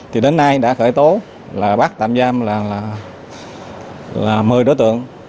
thì đến nay đã khởi tố là bắt tạm giam là một mươi đối tượng